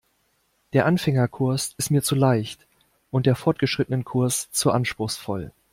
Der Anfängerkurs ist mir zu leicht und der Fortgeschrittenenkurs zu anspruchsvoll.